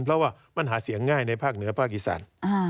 เพราะว่ามันหาเสียงง่ายในภาคเหนือภาคอีสาน